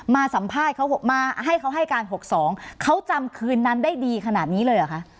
สัมภาษณ์เขามาให้เขาให้การ๖๒เขาจำคืนนั้นได้ดีขนาดนี้เลยเหรอคะ